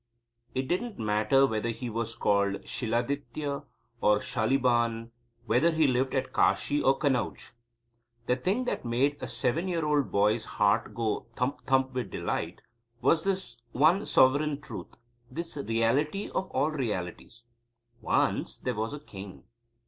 It didn't matter whether he was called Shiladitya or Shaliban, whether he lived at Kashi or Kanauj. The thing that made a seven year old boy's heart go thump, thump with delight was this one sovereign truth; this reality of all realities: "Once there was a king."